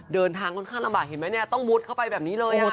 เดินทางค่อนข้างลำบากเห็นไหมเนี่ยต้องมุดเข้าไปแบบนี้เลย